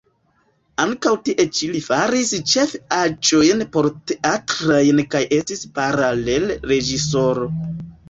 Ankaŭ tie ĉi li faris ĉefe aĵojn porteatrajn kaj estis paralele reĝisoro.